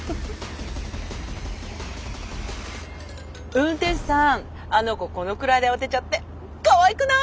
運転手さんあの子このくらいで慌てちゃってかわいくない？